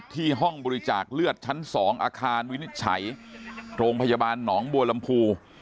ห้องบริจาคเลือดชั้น๒อาคารวินิจฉัยโรงพยาบาลหนองบัวลำพู